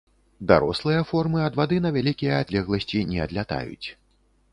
Дарослыя формы ад вады на вялікія адлегласці не адлятаюць.